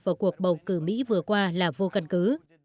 vào cuộc bầu cử mỹ vừa qua là vô căn cứ